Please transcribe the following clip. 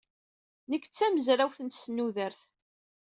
Nekk d tamezrawt n tesnudert.